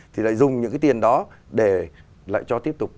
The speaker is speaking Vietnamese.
thì lại dùng những cái tiền đó để lại cho tiếp tục